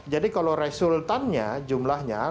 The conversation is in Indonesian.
jadi kalau resultannya jumlahnya